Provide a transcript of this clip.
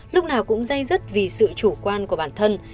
lúc nào cũng dây dứt vì sự chủ quan của bản thân